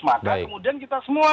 maka kemudian kita semua